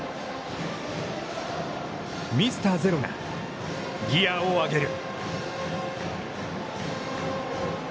ミスターゼロがギアを上げる。